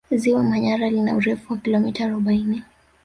Ziwa Manyara lina urefu wa kilomita arobaini